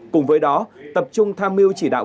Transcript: cùng với đó tập trung tham mưu chỉ đạo